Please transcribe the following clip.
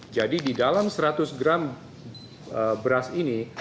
jadi di dalam seratus gram beras ini